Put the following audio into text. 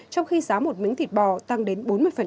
trong khi giá một miếng thịt bò tăng đến bốn mươi